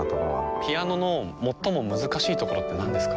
ピアノの最も難しいところってなんですか？